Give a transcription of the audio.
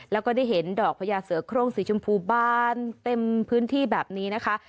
แล้วก็ได้เห็นดอกพญาเสือโครงสีชมพูบานเต็มพื้นที่แบบนี้นะคะ